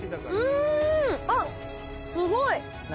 あっすごい！